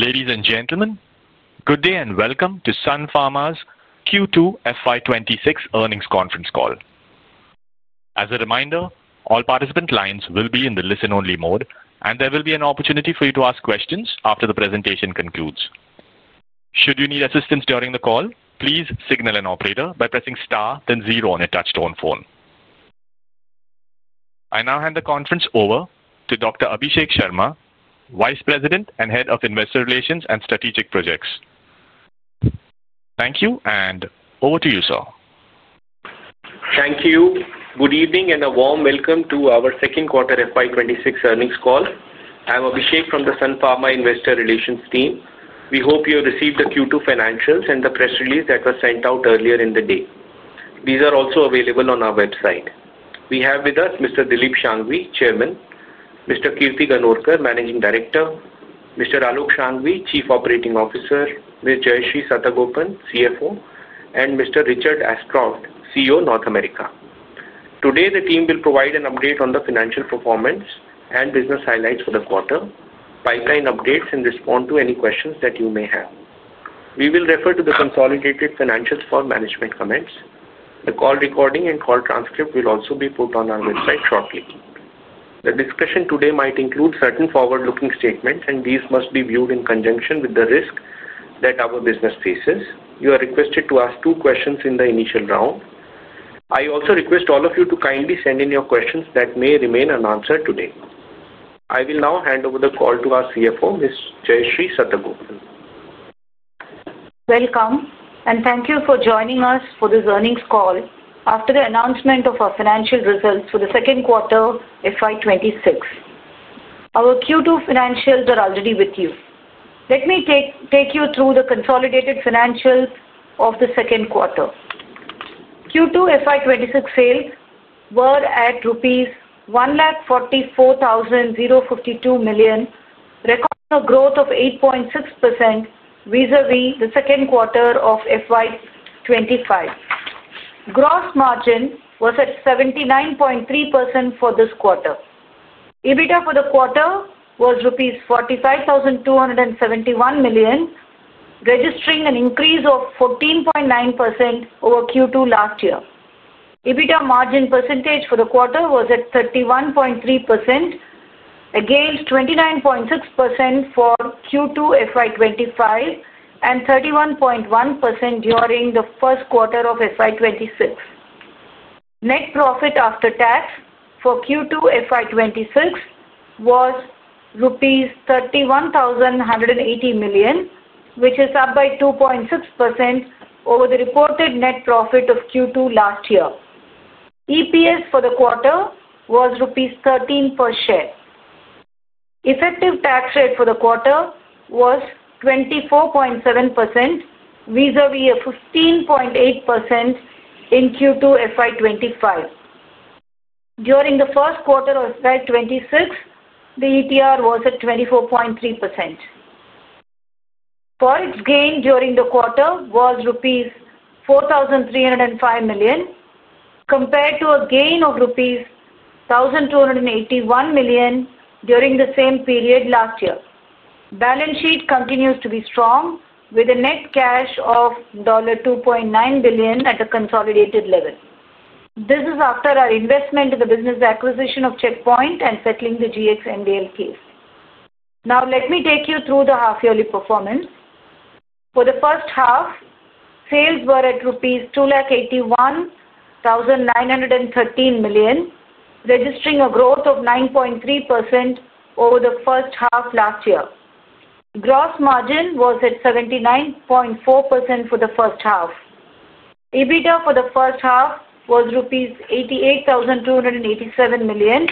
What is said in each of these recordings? Ladies and gentlemen, good day and welcome to Sun Pharma's Q2 FY 2026 earnings conference call. As a reminder, all participant lines will be in the listen only mode and there will be an opportunity for you to ask questions after the presentation concludes. Should you need assistance during the call, please signal an operator by pressing star then zero on your touchstone phone. I now hand the conference over to Dr. Abhishek Sharma, Vice President and Head of Investor Relations and Strategic Projects. Thank you. Over to you, sir. Thank you. Good evening and a warm welcome to our second quarter FY 2026 earnings call. I'm Abhishek from the Sun Pharma Investor Relations Team. We hope you have received the Q2 financials and the press release that was sent out earlier in the day. These are also available on our website. We have with us Mr. Dilip Shanghvi, Chairman, Mr. Kirti Ganorkar, Managing Director, Mr. Aalok Shanghvi, Chief Operating Officer, Ms. Jayashree Satagopan, CFO, and Mr. Richard Ascroft, CEO North America. Today the team will provide an update on the financial performance and business highlights for the quarter, pipeline updates. In response to any questions that you may have, we will refer to the consolidated financials for management comments. The call recording and call transcript will also be put on our website shortly. The discussion today might include certain forward looking statements and these must be viewed in conjunction with the risk that our business faces. You are requested to ask two questions in the initial round. I also request all of you to kindly send in your questions that may remain unanswered today. I will now hand over the call to our CFO, Ms. Jayashree Satagopan. Welcome and thank you for joining us for this earnings call. After the announcement of our financial results for the second quarter FY 2026, our Q2 financials are already with you. Let me take you through the consolidated financials of the second quarter. Q2 FY 2026 sales were at rupees 144,052 million recording a growth of 8.6% vis a vis the second quarter of FY 2025. Gross margin was at 79.3% for this quarter. EBITDA for the quarter was rupees 45,271 million registering an increase of 14.9% over Q2 last year. EBITDA margin percentage for the quarter was at 31.3% against 29.6% for Q2 FY 2025 and 31.1% during the first quarter of FY 2026. Net profit after tax for Q2 FY 2026 was rupees 31,180 million which is up by 2.6% over the reported net profit of Q2 last year. EPS for the quarter was rupees 13 per share. Effective tax rate for the quarter was 24.7% vis-à-vis 15.8% in Q2 FY 2025. During the first quarter of 2026 the ETR was at 24.3%. forex gain during the quarter was rupees 4,305 million compared to a gain of rupees 1,281 million during the same period last year. Balance sheet continues to be strong with a net cash of $2.9 billion at a consolidated level. This is after our investment in the business, acquisition of Checkpoint Therapeutics and settling the GX MDL case. Now let me take you through the half yearly performance. For the first half, sales were at rupees 281,913 million registering a growth of 9.3% over the first half last year. Gross margin was at 79.4% for the first half. EBITDA for the first half was rupees 88,287 million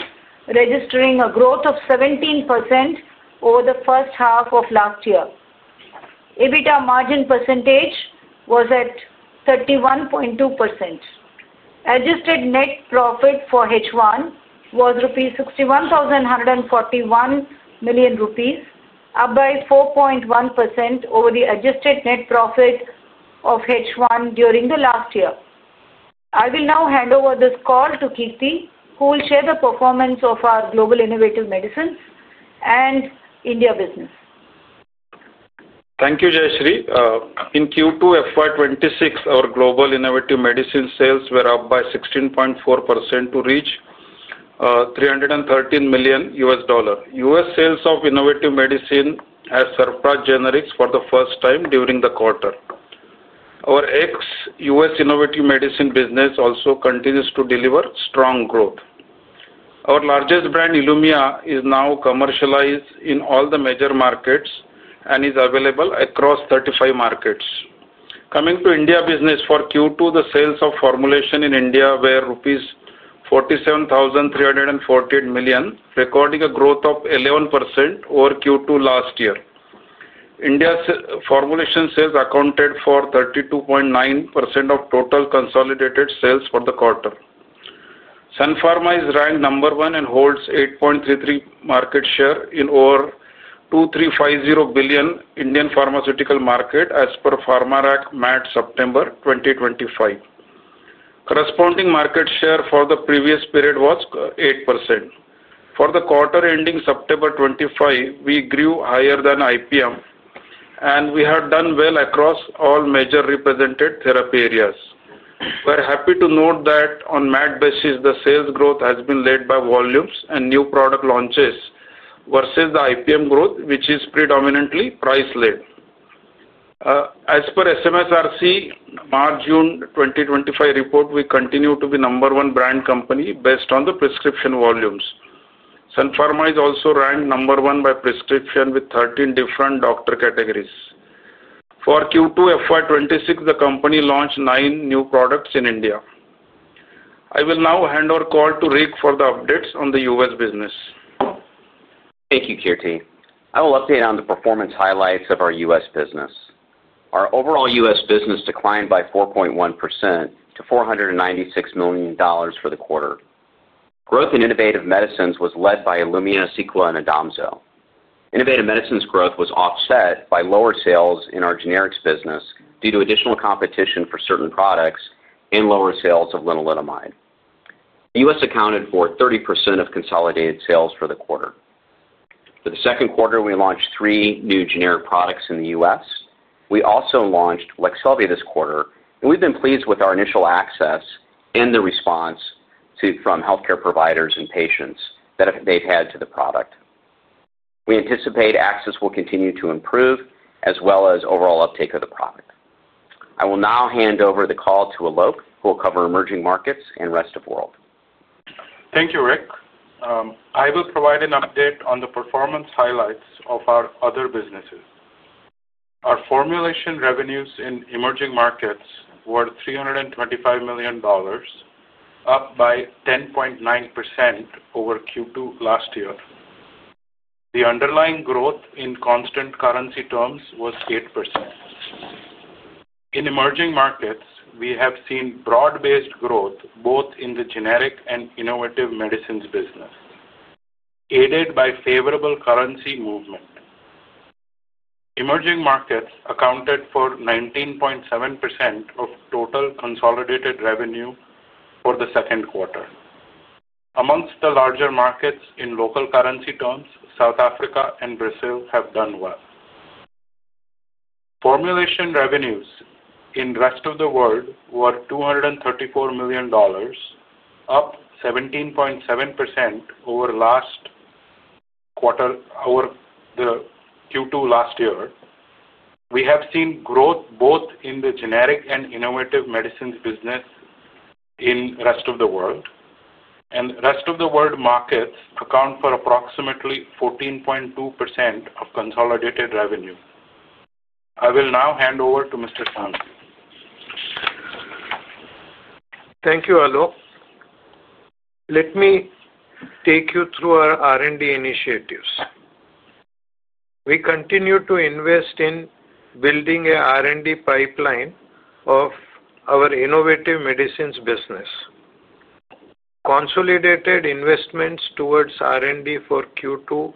registering a growth of 17% over the first half of last year. EBITDA margin percentage was at 31.2%. Adjusted net profit for H1 was 61,141 million rupees, up by 4.1% over the adjusted net profit of H1 during the last year. I will now hand over this call to Kirti who will share the performance of our global innovative medicines and India business. Thank you, Jayashree. In Q2 FY 2026, our global innovative medicine sales were up by 16.4% to reach $313 million. U.S. sales of innovative medicine surpassed generics for the first time during the quarter. Our ex-U.S. innovative medicine business also continues to deliver strong growth. Our largest brand, Ilumya, is now commercialized in all the major markets and is available across 35 markets. Coming to India business for Q2, the sales of formulation in India were rupees 47,348 million, recording a growth of 11% over Q2 last year. India's formulation sales accounted for 32.9% of total consolidated sales for the quarter. Sun Pharma is ranked number one and holds 8.33% market share in over 2,350 billion Indian pharmaceutical market as per Pharmarack MAT September 2025. Corresponding market share for the previous period was 8%. For the quarter ending September 25th we grew higher than IPM and we have done well across all major represented therapy areas. We are happy to note that on MAT basis the sales growth has been led by volumes and new product launches versus the IPM growth which is predominantly price led. As per SMSRC March-June 2025 report, we continue to be number one brand company based on the prescription volumes. Sun Pharma is also ranked number one by prescription with 13 different doctor categories. For Q2 FY 2026 the company launched nine new products in India. I will now hand over call to Rick for the updates on the U.S. business. Thank you, Kirti. I will update on the performance highlights of our U.S. business. Our overall U.S. business declined by 4.1% to $496 million for the quarter. growth in innovative medicines was led by Ilumya, Cequa, and Odomzo. Innovative medicines growth was offset by lower sales in our generics business due to additional competition for certain products and lower sales of lenalidomide. The U.S. accounted for 30% of consolidated sales for the quarter. For the second quarter, we launched three new generic products in the U.S. We also launched Leqselvi this quarter, and we've been pleased with our initial access and the response from healthcare providers and patients that they've had to the product. We anticipate access will continue to improve as well as overall uptake of the product. I will now hand over the call to Aalok, who will cover emerging markets and rest of world. Thank you, Rick. I will provide an update on the performance highlights of our other businesses. Our formulation revenues in Emerging Markets were $325 million, up by 10.9% over Q2 last year. The underlying growth in constant currency terms was 8%. In Emerging Markets, we have seen broad-based growth both in the generic and innovative medicines business, aided by favorable currency movement. Emerging Markets accounted for 19.7% of total consolidated revenue for the second quarter. Amongst the larger markets in local currency terms, South Africa and Brazil have done well. Formulation revenues in Rest of World were $234 million, up 17.7% over last quarter. Over Q2 last year, we have seen growth both in the generic and innovative medicines business in Rest of World, and Rest of World markets account for approximately 14.2% of consolidated revenue. I will now hand over to Mr. Shanghvi. Thank you Aalok. Let me take you through our R&D initiatives. We continue to invest in building an R&D pipeline of our innovative medicines business. Consolidated investments towards R&D for Q2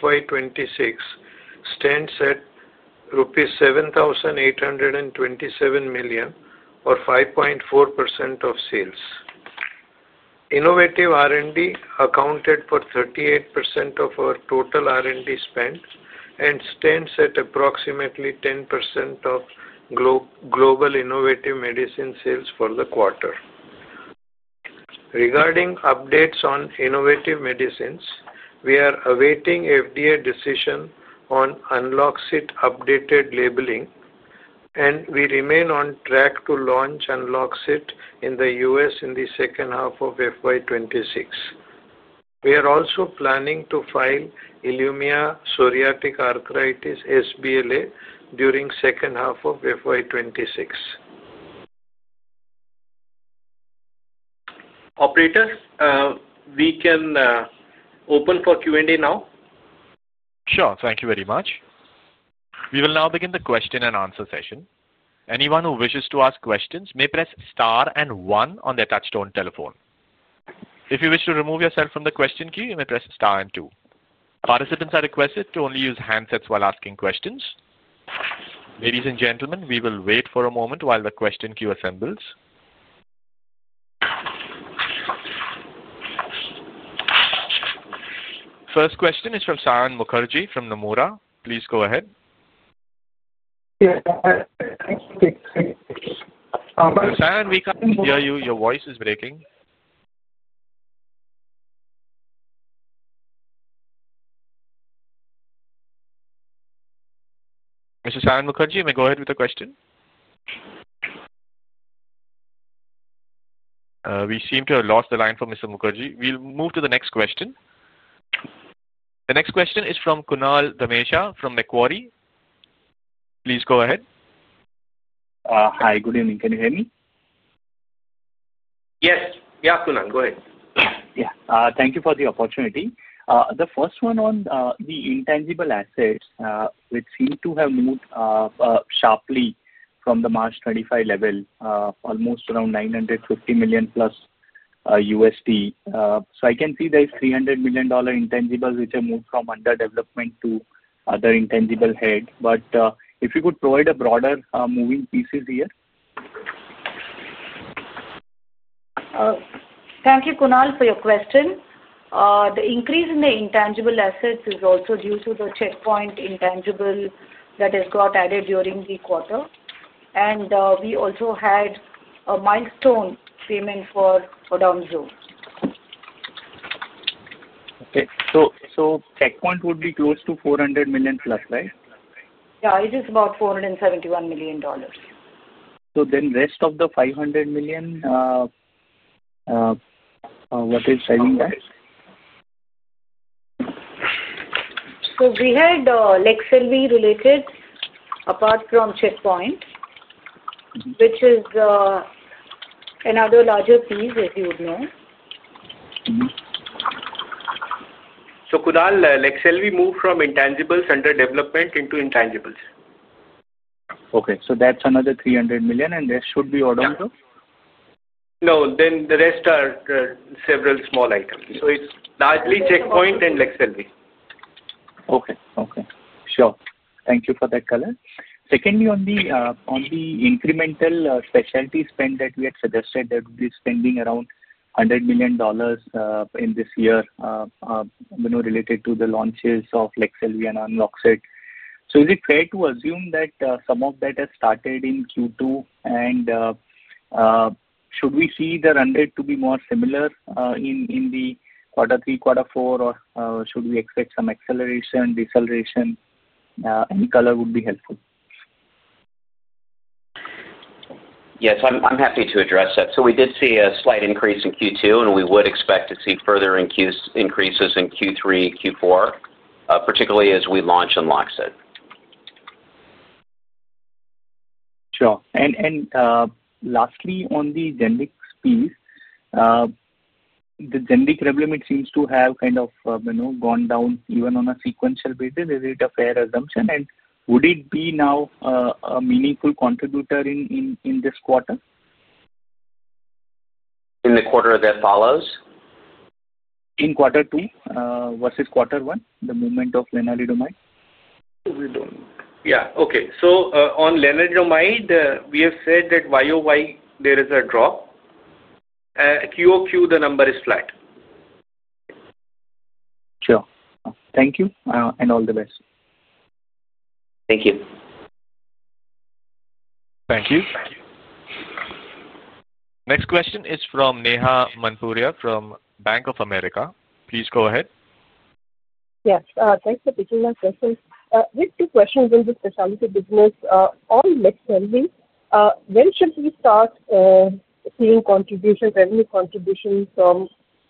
FY 2026 stand at rupees 7,827 million or 5.4% of sales. Innovative R&D accounted for 38% of our total R&D spend and stands at approximately 10% of global innovative medicine sales for the quarter. Regarding updates on innovative medicines, we are awaiting FDA decision on Unloxcyt updated labeling and we remain on track to launch Unloxcyt in the U.S. in the second half of FY 2026. We are also planning to file Ilumya psoriatic arthritis during the second half of FY 2026. Operator, we can open for Q and A now. Sure. Thank you very much. We will now begin the question and answer session. Anyone who wishes to ask questions may press star and one on their touchstone telephone. If you wish to remove yourself from the question queue, you may press star and two. Participants are requested to only use handsets while asking questions. Ladies and gentlemen, we will wait for a moment while the question queue assembles. First question is from Saurabh Mukherjea from Nomura. Please go ahead. We cannot hear you, your voice is breaking. Mr. Saurabh Mukherjea may go ahead with the question. We seem to have lost the line for Mr. Mukherjea. We will move to the next question. The next question is from Kunal Dhamesha from Macquarie. Please go ahead. Hi, good evening. Can you hear me? Yes. Yeah, Kunal, go ahead. Yeah, thank you for the opportunity. The first one on the intangible assets which seem to have moved sharply from the March 2025 level almost around $950 million+. So I can see there is $300 million intangibles which have moved from under development to other intangible head. If you could provide a broader moving pieces here. Thank you Kunal for your question. The increase in the intangible assets is also due to the Checkpoint intangible that has got added during the quarter. We also had a milestone payment for Odomzo. Okay, so Checkpoint would be close to $400 million+, right? Yeah, it is about $471 million. Then rest of the $500 million, what is selling that? We had Leqselvi related apart from Checkpoint, which is another larger piece if you know. Kunal, like, shall we move from intangibles under development into intangibles? Okay, so that's another $300 million and this should be order. No, then the rest are several small items. So it's largely Checkpoint and Excellent. Okay, okay, sure. Thank you for that color. Secondly, on the incremental specialty spend that we had suggested that we're spending around $100 million in this year related to the launches of Leqselvi and Unloxcyt. So is it fair to assume that some of that has started in Q2? And should we see the run rate to be more similar in quarter three, quarter four or should we expect some acceleration, deceleration? Any color would be helpful. Yes, I'm happy to address that. So we did see a slight increase in Q2, and we would expect to see further increases in Q3, Q4, particularly as we launch Unloxcyt. Sure. Lastly, on the generic rev limit, it seems to have kind of gone down even on a sequential basis. Is it a fair assumption and would it be now a meaningful contributor in this quarter? In the quarter that follows, in quarter two versus quarter one, the movement of lenalidomide. Yeah. Okay. On lenalidomide we have said that year over year there is a drop, quarter over quarter the number is flat. Sure. Thank you. All the best. Thank you. Thank you. Next question is from Neha Manpuria from Bank of America. Please go ahead. Yes, thanks for taking my questions. We have two questions in the specialty business on Leqselvi, when should we start seeing contribution revenue contributions from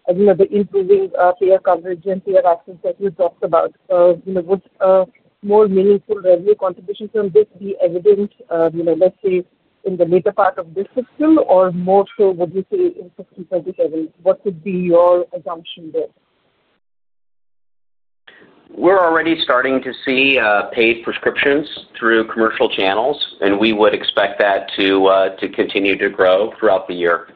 the improving payer coverage and payer access that you talked about? Would a more meaningful revenue contribution from this be evident? Let's say in the later part of this fiscal or more so, would you say in fiscal 2027? What would be your assumption there? We're already starting to see paid prescriptions through commercial channels, and we would expect that to continue to grow throughout the year.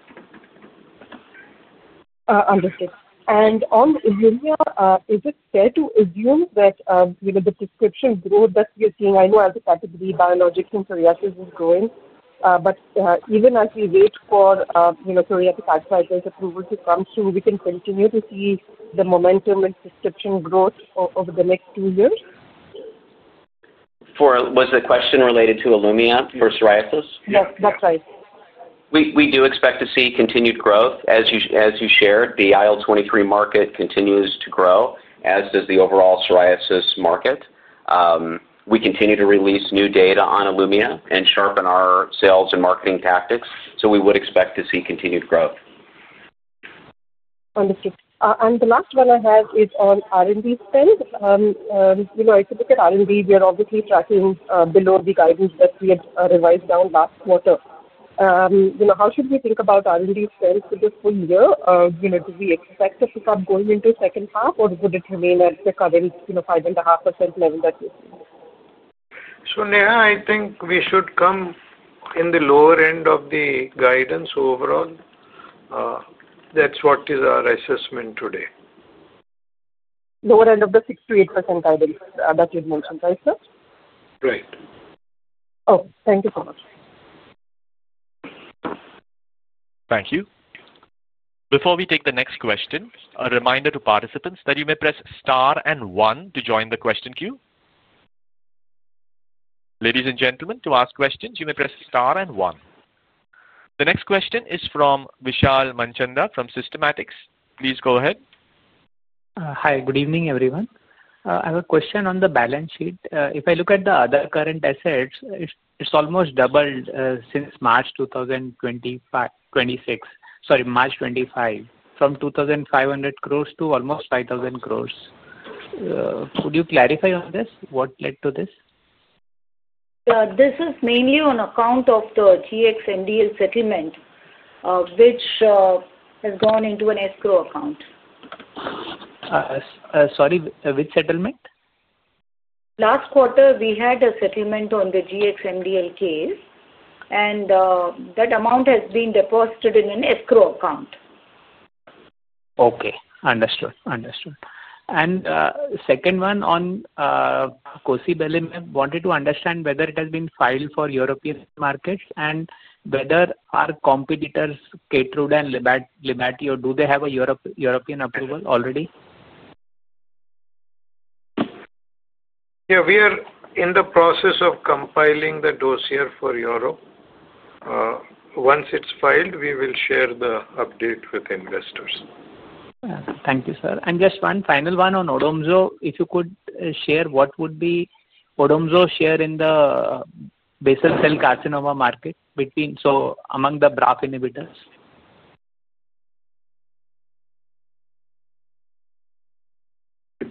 Understood. On Ilumya, is it fair to assume that the prescription growth that you're seeing, I know as a category biologics in psoriasis is growing, but even as we wait for psoriatic arthritis approval to come through, we can continue to see the momentum in prescription growth over the next two years. Was the question related to Ilumya for psoriasis? Yes, that's right. We do expect to see continued growth. As you shared, the IL23 market continues to grow, as does the overall psoriasis market. We continue to release new data on Ilumya and sharpen our sales and marketing tactics. We would expect to see continued growth. Understood. The last one I have is on R&D spend. If you look at R&D, we are obviously tracking below the guidance that we had revised down last quarter. You know, how should we think about R&D spend for the full year? You know, do we expect a pickup going into second half or would it remain at the current, you know, 5.5% level that we see? Neha, I think we should come in the lower end of the guidance overall. That is what is our assessment today. Lower end of the 6%-8% guidance that you've mentioned. Right, sir? Right. Oh, thank you so much. Thank you. Before we take the next question, a reminder to participants that you may press star and one to join the question queue. Ladies and gentlemen, to ask questions you may press star and one. The next question is from Vishal Manchanda from Systematix. Please go ahead. Hi, good evening everyone. I have a question on the balance sheet. If I look at the other current assets, almost doubled since March 2025. Sorry, March 2025. From 2,500 crore to almost 5,000 crore. Would you clarify on this? What led to this? This is mainly on account of the GX MDL settlement which has gone into an escROE account. Sorry, which settlement? Last quarter we had a settlement on the GX MDL case and that amount has been deposited in an escROE account. Okay, understood, understood. Second one on Cosibelimab, wanted to understand whether it has been filed for European markets and whether our competitors Keytruda and Libtayo, or do they have a European approval already? Yeah. We are in the process of compiling the dossier for Europe. Once it's filed we will share the update with investors. Thank you, sir. And just one final one. On Odomzo, if you could share what would be Odomzo share in the basal cell carcinoma market between. So among the BRAF inhibitors.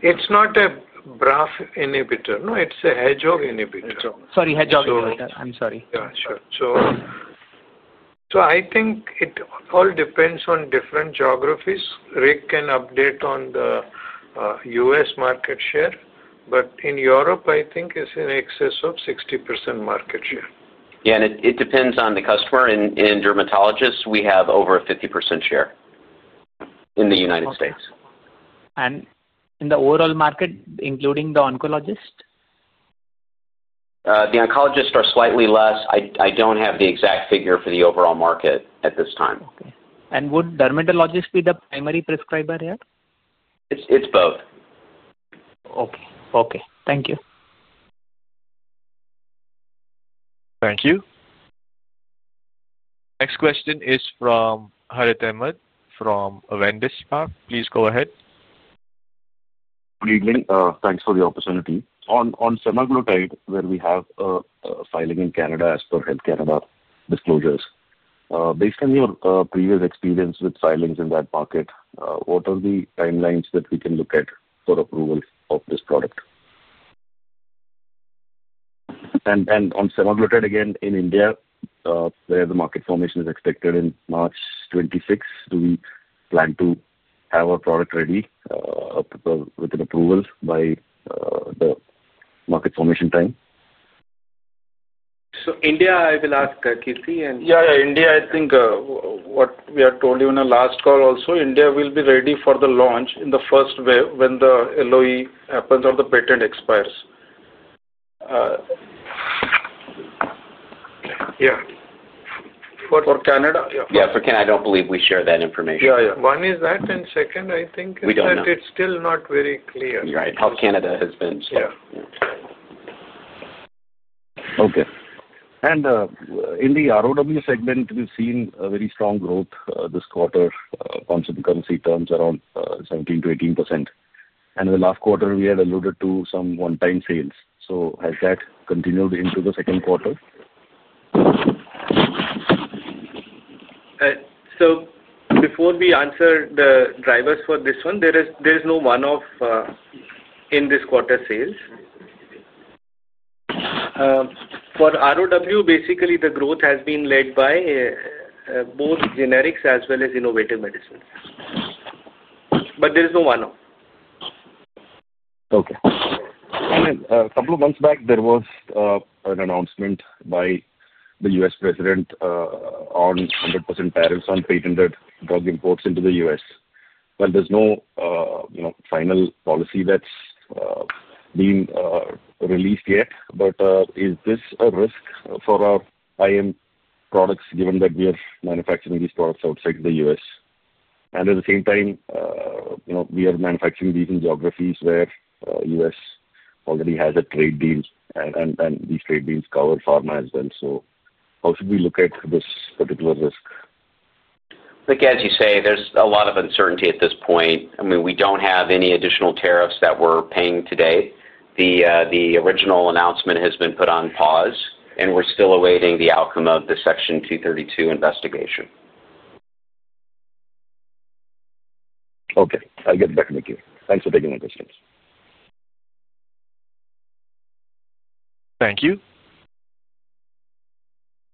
It's not a BRAF inhibitor. No, it's a hedgehog inhibitor. Sorry, Hedgehog inhibitor. I'm sorry. I think it all depends on different geographies. Rick can update on the U.S. market share but in Europe I think it's in excess of 60% market share. It depends on the customer. In dermatologists we have over a 50% share in the United States. And in the overall market, including the oncologist. The oncologists are slightly less. I don't have the exact figure for the overall market at this time. Would dermatologists be the primary prescriber here? It's both. Okay, thank you. Thank you. Next question is from [Harith Ahmed from Wendish Park]. Please go ahead. Good evening. Thanks for the opportunity. On semaglutide where we have a filing in Canada as per Health Canada disclosures, based on your previous experience with filings in that market, what are the timelines that we can look at for approval of this product? And on semaglutide again in India where the market formation is expected in March 2026, do we plan to have our product ready with an approval by the market formation time? India, I will ask Kirti. Yeah, India, I think what we had told you in the last call also, India will be ready for the launch in the first wave when the LOE happens or the patent expires. Yeah. For Canada. Yeah for Canada. I don't believe we share that information. Yeah, yeah. One is that. I think it's still not very clear. Right. How Canada has been? Okay. In the ROE segment we've seen very strong growth this quarter. Constant currency terms around 17%-18%. In the last quarter we had alluded to some one-time sales. Has that continued into the second quarter? Before we answer the drivers for this one, there is no one-off in this quarter, sales for ROE. Basically, the growth has been led by both generics as well as innovative medicine. There is no one. Okay. A couple of months back there was an announcement by the U.S. president on 100% tariffs on patented drug imports into the U.S., you know, there's no final policy that's been released yet. Is this a risk for our immigration products given that we are manufacturing these products outside the U.S. and at the same time we are manufacturing these in geographies where the U.S. already has a trade deal and these trade deals cover pharma as well? How should we look at this particular risk? Look, as you say, there's a lot of uncertainty at this point. I mean we don't have any additional tariffs that we're paying today. The original announcement has been put on pause and we're still awaiting the outcome of the Section 232 investigation. Okay, I'll get back to the queue. Thanks for taking the questions. Thank you.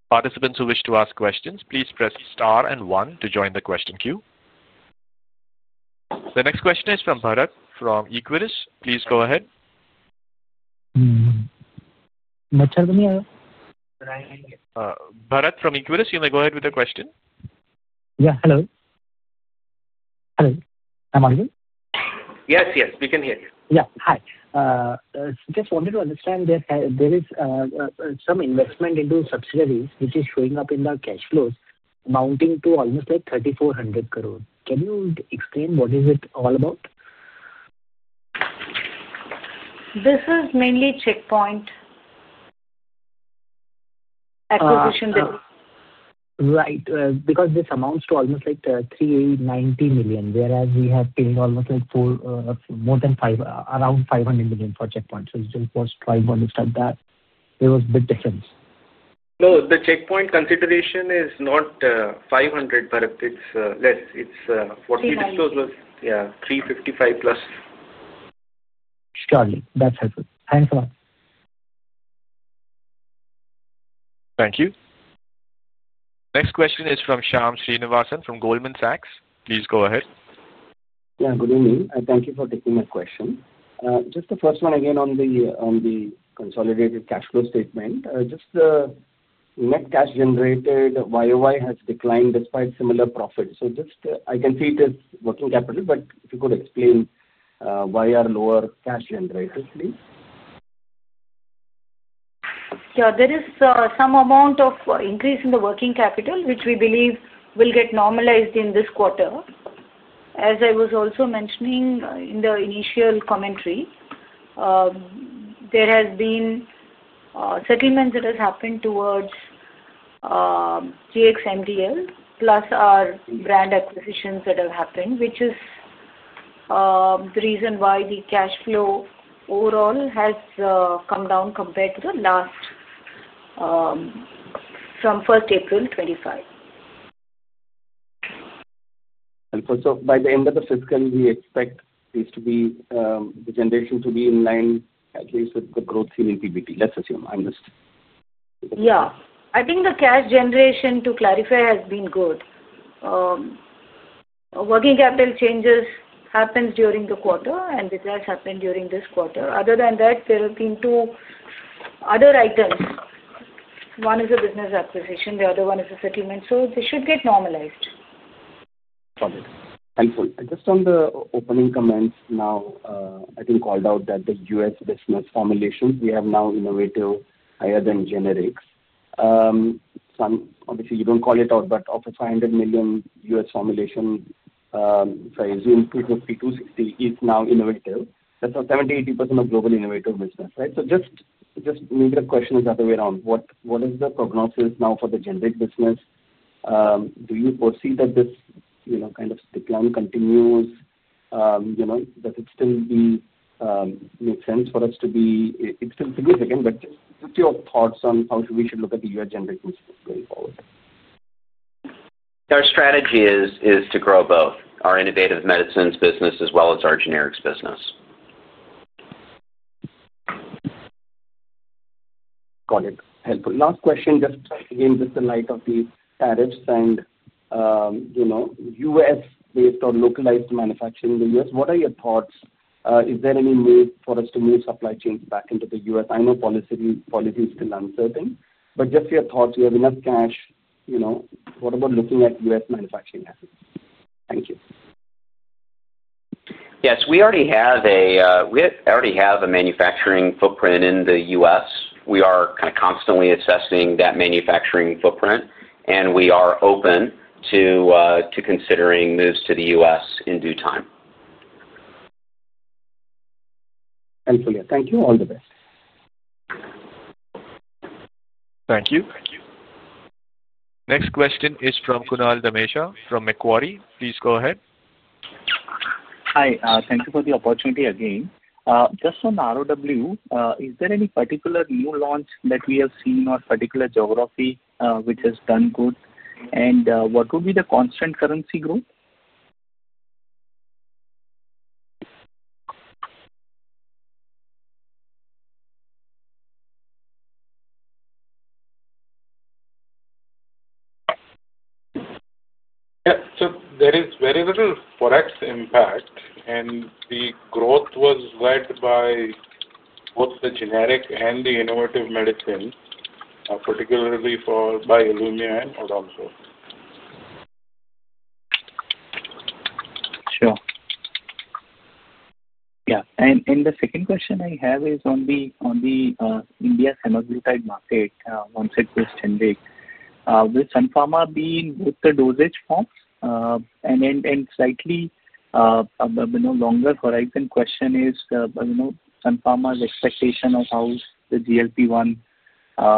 Participants who wish to ask questions, please press star and one to join the question queue. The next question is from [Bharat from Equitas]. Please go ahead. [Bharat from Equitas], you may go ahead with a question. Yeah, hello. Yes, we can hear you. Yeah, hi. Just wanted to understand that there is some investment into subsidiaries which is showing up in the cash flows amounting to almost 3,400 crore. Can you explain what is it all about? This is mainly Checkpoint acquisition, right. Because this amounts to almost like 390 million. Whereas we have paid almost like more than 500 million for Checkpoint. It was five months like that. There was big difference? No, the Checkpoint consideration is not 500 million, it's less, it's already disclosed, was yeah, 355 million+. Surely that's helpful. Thanks a lot. Thank you. Next question is from Shyam Srinivasan from Goldman Sachs. Please go ahead. Thank you for taking a question. Just the first one again on the consolidated cash flow statement, just the net cash generated year over year has declined despite similar profits. I can see it as working capital, but if you could explain why are lower cash generators, please. There is some amount of increase in the working capital which we believe will get normalized in this quarter. As I was also mentioning in the initial commentary, there have been settlements that have happened towards GX MDL plus our brand acquisitions that have happened which is the reason why the cash flow overall has come down compared to the last from the 1st of April 2025. By the end of the fiscal we expect this to be the generation to be in line at least with the growth here in PBT. Let's assume I missed. Yeah, I think the cash generation to clarify has been good. Working capital changes happen during the quarter and it has happened during this quarter. Other than that there have been two other items. One is a business acquisition, the other one is a settlement. They should get normalized. Helpful. Just on the opening comments now I think called out that the U.S. business formulation we have now innovated higher than generics. Obviously you do not call it out but of a $500 million U.S. formulation. Sorry, zoom, $250 million-$260 million is now innovative. That is 70%-80% of global innovative business. Just maybe the question is the other way around. What is the prognosis now for the generic business? Do you foresee that this kind of stipulum continues? That it still makes sense for us to be. It is still significant. Your thoughts on how we should look at the U.S. generations going forward? Our strategy is to grow both our innovative medicines business as well as our generics business. Got it. Helpful. Last question, just in light of the tariffs and U.S. based on localized manufacturing in the U.S., what are your thoughts? Is there any move for us to move supply chains back into the U.S.? I know policy is still uncertain, but just your thoughts. We have enough cash. What about looking at U.S. manufacturing assets? Yes, we already have a manufacturing footprint in the U.S. We are constantly assessing that manufacturing footprint and we are open to considering moves to the U.S. in due time. Thank you. All the best. Thank you. Next question is from Kunal Dhamesha from Macquarie. Please go ahead. Hi, thank you for the opportunity. Again, just on ROE, is there any particular new launch that we have seen or particular geography which has done good, and what would be the constant currency growth? There is very little forex impact and the growth was led by both the generic and the innovative medicine, particularly by Ilumya and Odomzo. Sure. Yeah. The second question I have is on the India semaglutide market once it is generic with Sun Pharma being with the dosage forms, and slightly longer horizon question is expectation of how the GLP-1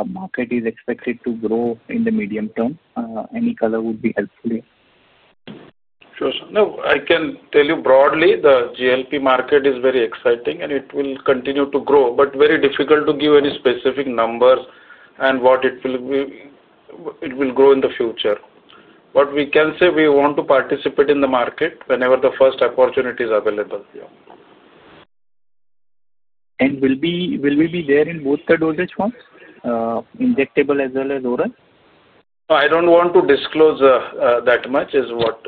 market is expected to grow in the medium term. Any color would be helpful. Sure. I can tell you broadly the GLP market is very exciting and it will continue to grow, but very difficult to give any specific numbers and what it will be, it will grow in the future. What we can say, we want to participate in the market whenever the first opportunity is available. Will we be there in both the dosage forms, injectable as well as oral? I don't want to disclose that much is what,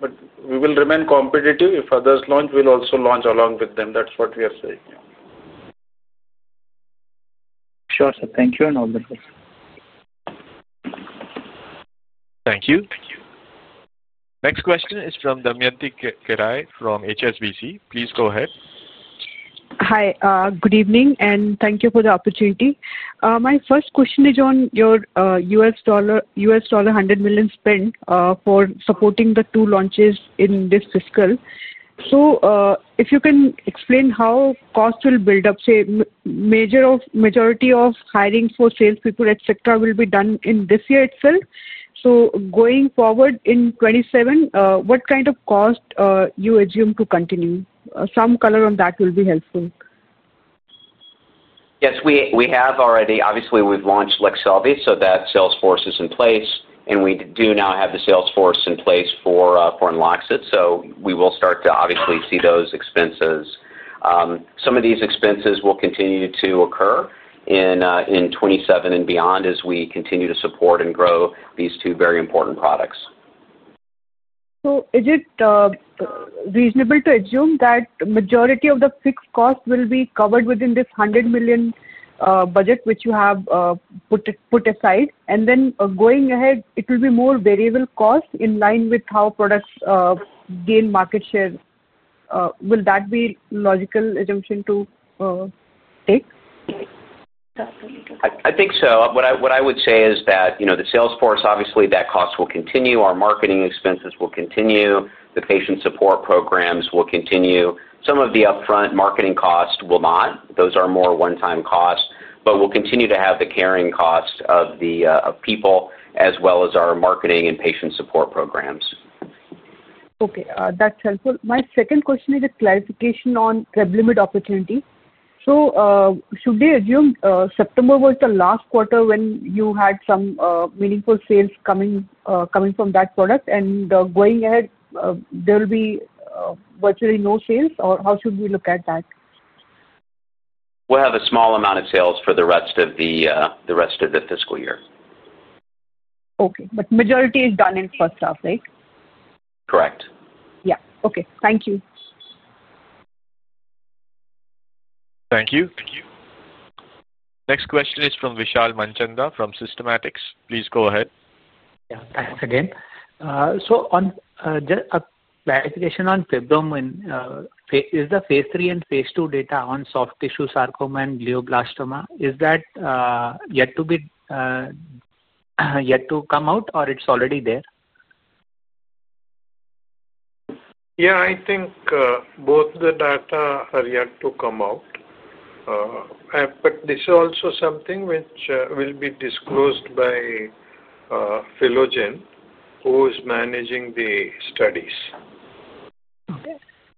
but we will remain competitive. If others launch, we will also launch along with them. That's what we are saying. Sure sir. Thank you and all the best. Thank you. Next question is from Damayanti Kerai from HSBC. Please go ahead. Hi, good evening and thank you for the opportunity. My first question is on your $100 million spend for supporting the two launches in this fiscal. If you can explain how cost will build up, say, majority of hiring for salespeople etc will be done in this year itself. Going forward in 2027, what kind of cost you assume to continue, some color on that will be helpful? Yes, we have already obviously we've launched Leqselvi so that sales force is in place and we do now have the sales force in place for Unloxcyt. We will start to obviously see those expenses. Some of these expenses will continue to occur in 2027 and beyond as we continue to support and grow these two very important products. Is it reasonable to assume that majority of the fixed cost will be covered within this $100 million budget which you have put aside and then going ahead it will be more variable cost in line with how products gain market share? Will that be logical assumption to take? I think so. What I would say is that the sales force, obviously that cost will continue, our marketing expenses will continue, the patient support programs will continue, some of the upfront marketing costs will not. Those are more one-time costs, but we'll continue to have the carrying cost of people, as well as our marketing and patient support programs. Okay, that's helpful. My second question is a clarification on prep limit opportunity. Should we assume September was the last quarter when you had some meaningful sales coming from that product and going ahead? There will be virtually no sales or how should we look at that? We'll have a small amount of sales for the rest of the fiscal year. Okay, but majority is done in first half, right? Correct. Yeah. Okay, thank you. Thank you. Next question is from Vishal Manchanda from Systematix. Please go ahead. Thanks again. On a clarification on [Fibromin], is the phase III and phase II data on soft tissue sarcoma and glioblastoma, is that yet to come out or it's already there? Yeah, I think both the data are yet to come out. This is also something which will be disclosed by Philogen, who is managing the studies.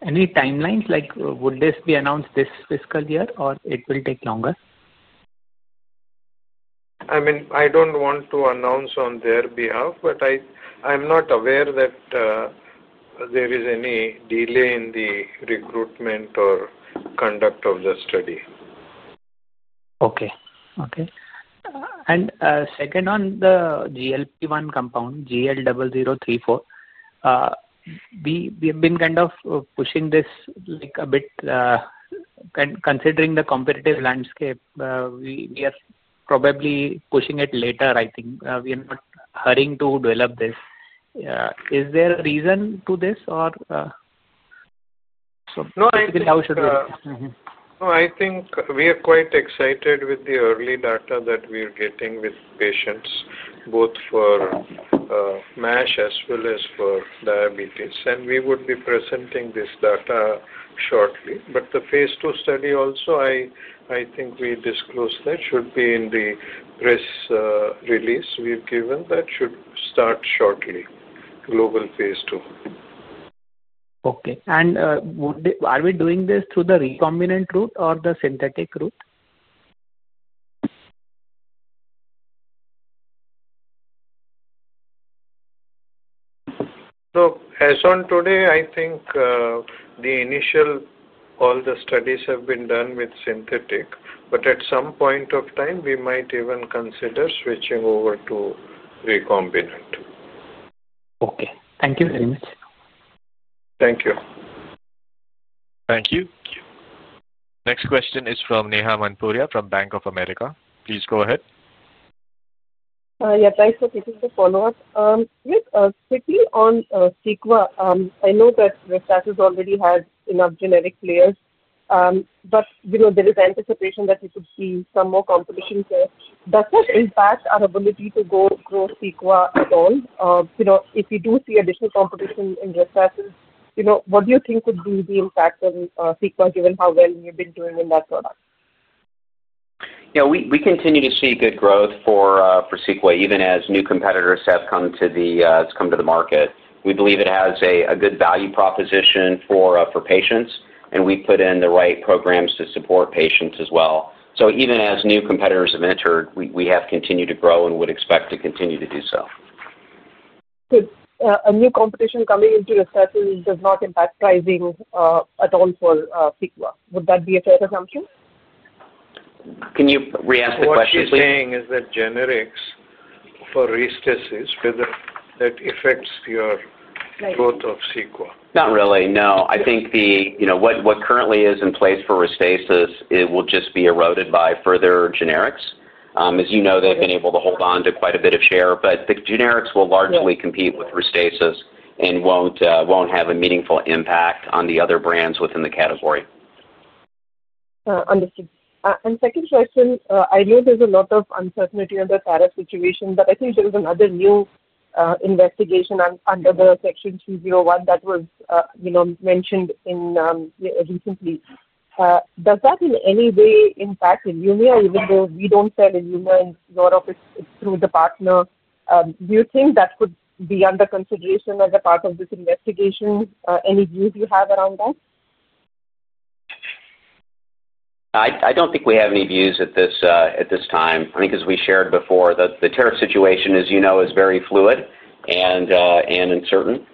Any timelines, like, would this be announced this fiscal year or it will take longer? I mean, I don't want to announce on their behalf, but I, I'm not aware that there is any delay in the recruitment or conduct of the study. Okay. Okay. Second, on the GLP-1 compound, GL0034, we have been kind of pushing this like a bit, and considering the competitive landscape, we are probably pushing it later. I think we are hurrying to develop this. Is there a reason to this or. I think we are quite excited with the early data that we are getting with patients both for MASH as well as for diabetes. We would be presenting this data shortly. The phase II study also, I think we disclosed that should be in the press release we've given, that should start shortly. Global phase II. Okay. Are we doing this through the recombinant route or the synthetic route? As on today, I think the initial, all the studies have been done with synthetic, but at some point of time, we might even consider switching over to recombinant. Okay, thank you very much. Thank you. Thank you. Next question is from Neha Manpuria from Bank of America. Please go ahead. Yeah, thanks for taking the follow up. Quickly on Cequa, I know that Restasis has already had enough generic players, but, you know, there is anticipation that you could see some more competition. Does that impact our ability to grow Cequa at all? You know, if you do see additional competition in resources, you know, what do you think would be the impact on Cequa given how well you have been doing in that product? We continue to see good growth for Cequa even as new competitors have come to the market. We believe it has a good value proposition for patients and we put in the right programs to support patients as well. Even as new competitors have entered, we have continued to grow and would expect to continue to do so. A new competition coming into rescission does not impact pricing at all for [Fiqva]. Would that be a fair assumption? Can you re-ask the question, please? What you're saying is that generics for Restasis, that affects your growth of Cequa? Not really, no. I think the, you know, what currently is in place for Restasis, it will just be eroded by further generics. As you know, they've been able to hold on to quite a bit of share, but the generics will largely compete with Restasis and won't have a meaningful impact on the other brands within the category. Understood. Second question, I know there's a lot of uncertainty on the tariff situation, but I think there was another new investigation under the Section 201 that was, you know, mentioned recently. Does that in any way impact Ilumya? Even though we don't sell Ilumya in your office, it's through the partner. Do you think that could be under consideration as a part of this investigation? Any views you have around that? I don't think we have any views at this time. I think as we shared before, the tariff situation as you know is very fluid and uncertain.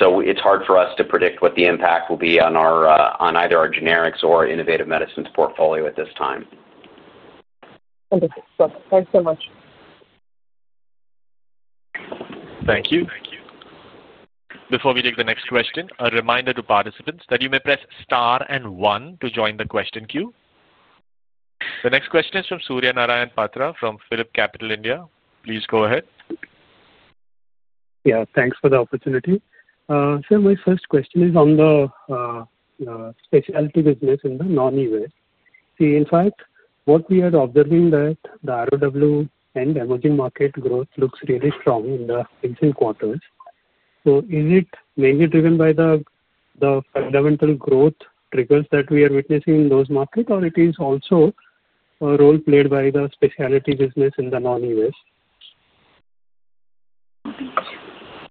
It's hard for us to predict what the impact will be on either our generics or innovative medicines portfolio at this time. Thanks so much. Thank you. Before we take the next question, a reminder to participants that you may press star and one to join the question queue. The next question is from Surya Narayan Patra from PhillipCapital India. Please go ahead. Yeah, thanks for the opportunity sir. My first question is on the specialty business in the non-U.S. See in fact what we are observing that the ROE and emerging market growth looks really strong in the recent quarters. Is it mainly driven by the fundamental growth triggers that we are witnessing in those markets or is it also a role played by the specialty business in the non-U.S.?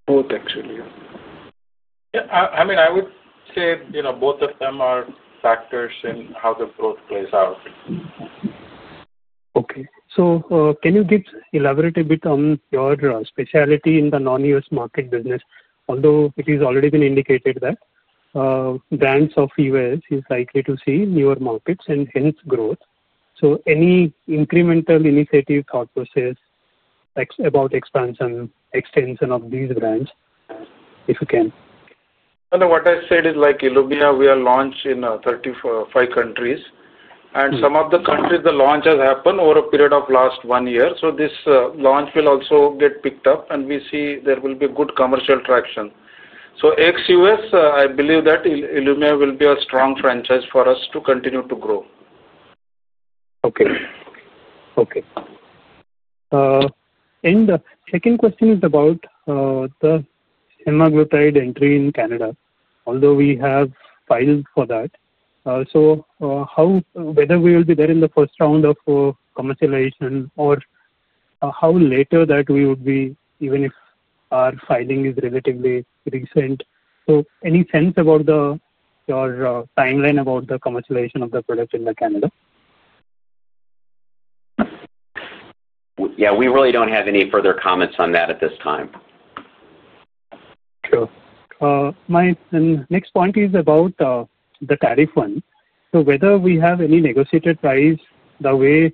Both actually. I mean I would say you know. Both of them are factors in how. The growth plays out. Okay, can you elaborate a bit on your specialty in the non-U.S. market business? Although it has already been indicated that brands of U.S. are likely to see newer markets and hence growth, any incremental initiative or thought process about expansion or extension of these brands, if you can. What I said is like Ilumya, we are launched in 35 countries and some of the countries the launch has happened over a period of last one year. This launch will also get picked up and we see there will be good commercial traction. X U.S. I believe that Ilumya will be a strong franchise for us to continue to grow. Okay. Okay. Second question is about the semaglutide entry in Canada, although we have filed for that. How, whether we will be there in the first round of commercialization or how later that we would be even if our filing is relatively recent. Any sense about your timeline about the commercialization of the product in Canada? Yeah, we really don't have any further comments on that at this time. Sure. My next point is about the tariff one, so whether we have any negotiated price the way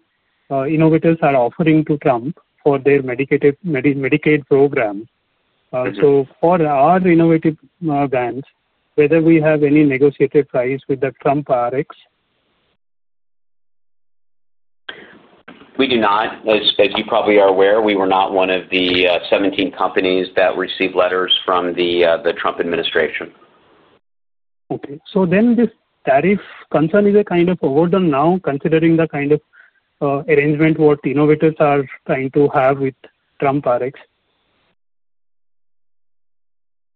innovators are offering to Trump for their Medicaid program. For our innovative brands, whether we have any negotiated price with the TrumpRx. We do not. As you probably are aware, we were not one of the 17 companies that received letters from the Trump administration. Okay, so then this tariff concern is kind of overdone now considering the kind of arrangement what innovators are trying to have with TrumpRx.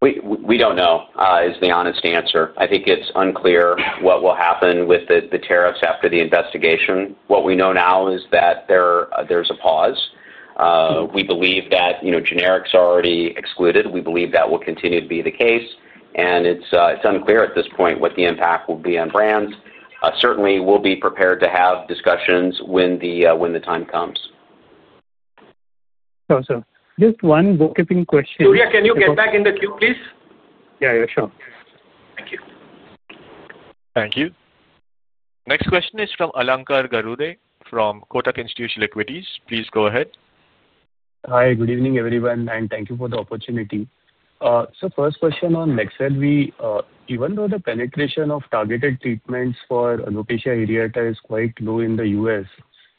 We don't know is the honest answer. I think it's unclear what will happen with the tariffs after the investigation. What we know now is that there's a pause. We believe that generics are already excluded. We believe that will continue to be the case, and it's unclear at this point what the impact will be on brands. Certainly we'll be prepared to have discussions when the time comes. Awesome. Just one vocabulary question. Can you get back in the queue please? Yeah, sure. Thank you. Thank you. Next question is from Alankar Garude from Kotak Institutional Equities. Please go ahead. Hi, good evening everyone and thank you for the opportunity. First question on Leqselvi. Even though the penetration of targeted treatments for alopecia areata is quite low in the U.S.,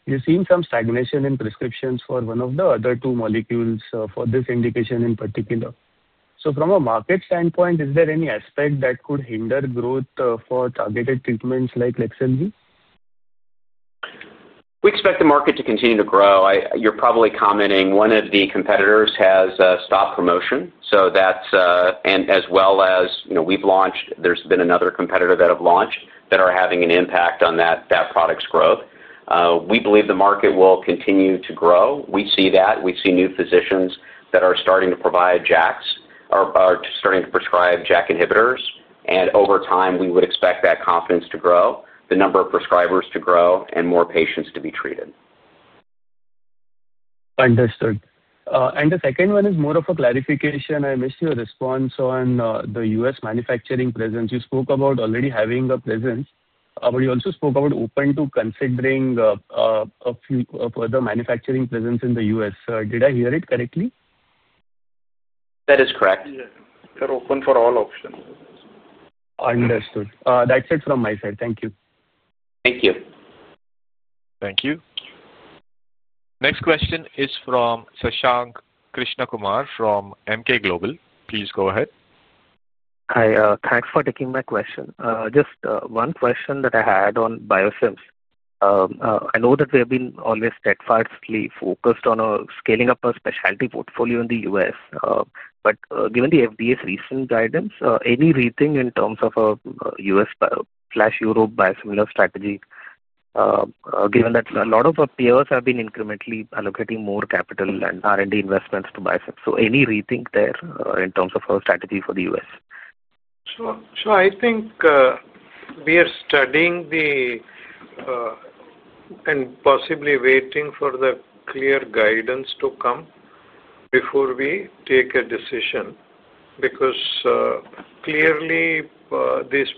you've seen some stagnation in prescriptions for one of the other two molecules for this indication in particular. From a market standpoint, is there any aspect that could hinder growth for targeted treatments like Leqselvi? We expect the market to continue to grow. You're probably commenting one of the competitors has stopped promotion. As well as you know, we've launched, there's been another competitor that have launched that are having an impact on that product's growth. We believe the market will continue to grow. We see that. We see new physicians that are starting to provide JAKs, are starting to prescribe JAK inhibitors, and over time we would expect that confidence to grow, the number of prescribers to grow, and more patients to be treated. Understood. The second one is more of a clarification. I missed your response on the U.S. manufacturing presence. You spoke about already having a presence. You also spoke about open to considering a few further manufacturing presence in the U.S. Did I hear it correctly? That is correct. Open for all options. Understood. That's it from my side. Thank you. Thank you. Thank you. Next question is from Shashank Krishnakumar from Emkay Global. Please go ahead. Hi. Thanks for taking my question. Just one question that I had on biosims. I know that we have been always steadfastly focused on scaling up a specialty portfolio in the U.S., but given the FDA's recent guidance, any rethink in terms of a U.S.-Europe biosimilar strategy given that a lot of our peers have been incrementally allocating more capital and R&D investments to biosims. Any rethink there in terms of our strategy for the U.S.? I think we are studying the and possibly waiting for the clear guidance to come before we take a decision because clearly this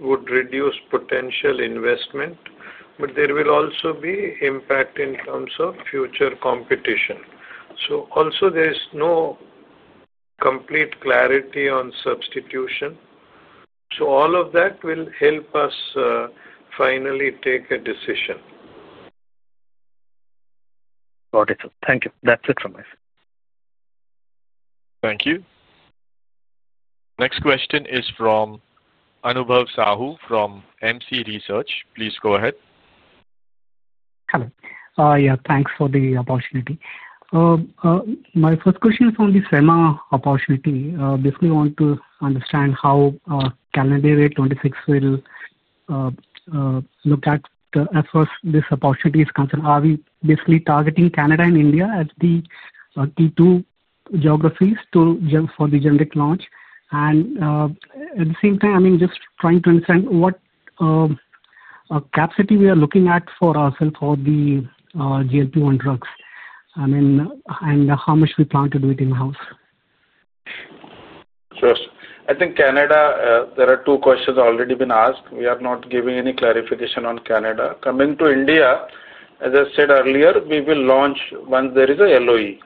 would reduce potential investment but there will also be impact in terms of future competition. Also there is no complete clarity on substitution. All of that will help us finally take a decision. Got it. Thank you. That's it from myself. Thank you. Next question is from Anubhav Sahu from MC Research. Please go ahead. Hello. Yeah, thanks for the opportunity. My first question is on the FEMA opportunity. Basically want to understand how calendar year 2026 will look at as far as this opportunity is concerned. Are we basically targeting Canada and India as the two geographies for the generic launch and at the same time I mean just trying to understand what capacity we are looking at for ourselves for the GLP-1 drugs. I mean and how much we plan to do it in house. Sure. I think Canada, there are two questions already been asked. We are not giving any clarification on Canada. Coming to India, as I said earlier, we will launch once there is a LOE.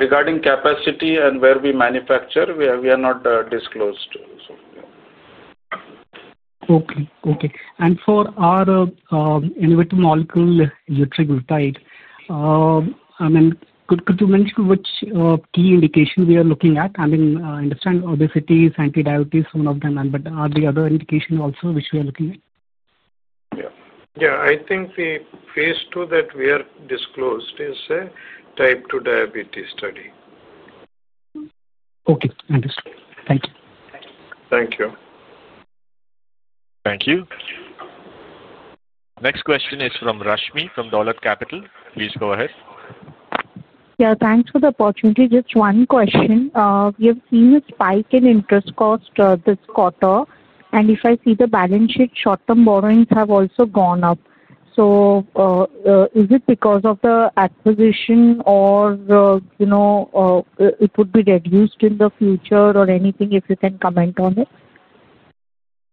Regarding capacity and where we manufacture, we are not disclosed. Okay. Okay. And for our innovative molecule Ularitide, I mean could you mention which key indication we are looking at? I mean, understand obesity is anti diabetes, one of them, but are there other indications also which we are looking at? Yeah, yeah. I think the phase 2 that we are disclosed is a type 2 diabetes study. Okay, thank you. Thank you. Thank you. Next question is from [Rashmi] from Dollar Capital. Please go ahead. Yeah, thanks for the opportunity. Just one question. We have seen a spike in interest cost this quarter and if I see the balance sheet short term borrowings have also gone up. Is it because of the acquisition or you know it would be reduced in the future or anything? If you can comment on it.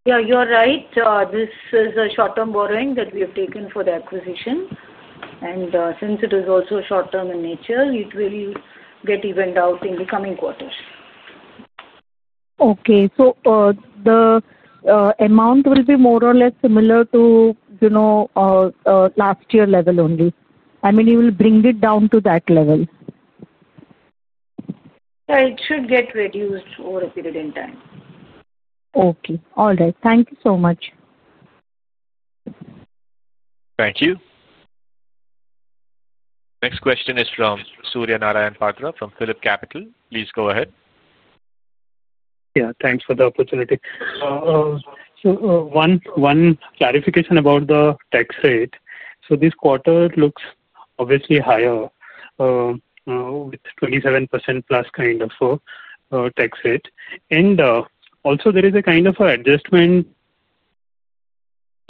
Yeah, you're right. This is a short term borrowing that we have taken for the acquisition. Since it is also short term in nature, it will get evened out in the coming quarters. Okay. The amount will be more or less similar to, you know, last year level only. I mean, you will bring it down to that level. It should get reduced over a period in time. Okay. All right. Thank you so much. Thank you. Next question is from Surya Narayan Patra from Phillipcapital. Please go ahead. Yeah, thanks for the opportunity. One clarification about the tax rate. Quarter looks obviously higher with 27% plus kind of tax rate. Also, there is a kind of adjustment,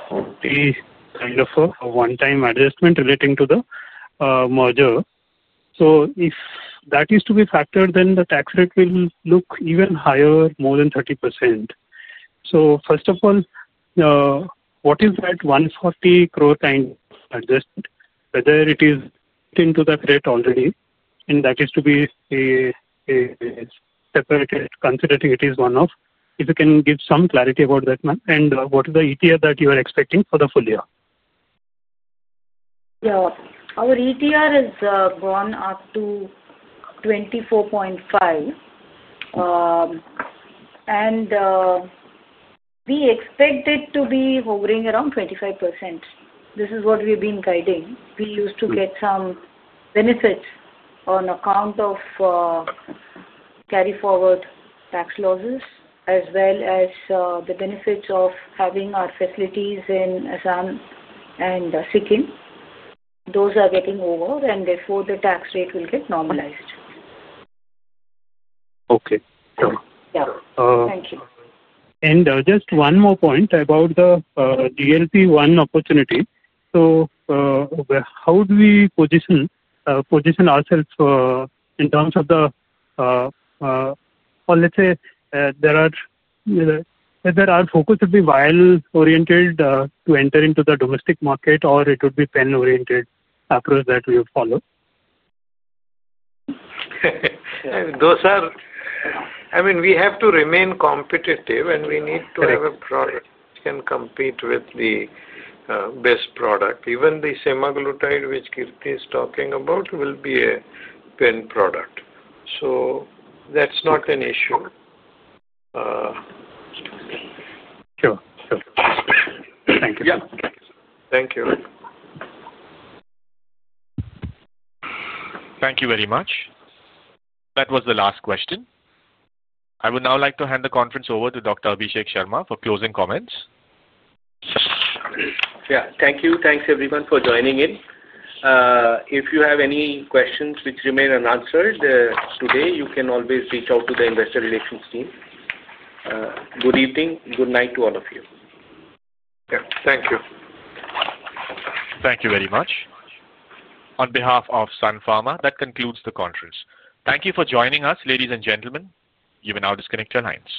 kind of a one-time adjustment relating to the merger. If that is to be factored, then the tax rate will look even higher, more than 30%. First of all, what is that 140 crore time adjustment? Whether it is into the threat already and that is to be separated considering it is one-off, if you can give some clarity about that one. What is the ETR that you are expecting for the full year? Yeah, our ETR has gone up to 24.5% and we expect it to be hovering around 25%. This is what we've been guiding. We used to get some benefits on account of carry forward tax losses as well as the benefits of having our facilities in Assam and Sikkim. Those are getting over and therefore the tax rate will get normalized. Okay. Yeah. Thank you. Just one more point about the GLP-1 opportunity. How do we position ourselves in terms of the, let's say, whether our focus would be value-oriented to enter into the domestic market or it would be pen-oriented that we have followed. Those are. I mean we have to remain competitive and we need to have a product can compete with the best product. Even the semaglutide which Kirti is talking about will be a pen product. So that's not an issue. Thank you. Thank you. Thank you very much. That was the last question. I would now like to hand the conference over to Dr. Abhishek Sharma for closing comments. Yeah, thank you. Thanks, everyone, for joining in. If you have any questions which remain unanswered today, you can always reach out to the investor relations team. Good evening. Good night to all of you. Thank you. Thank you very much on behalf of Sun Pharma. That concludes the conference. Thank you for joining us, ladies and gentlemen. You may now disconnect your lines.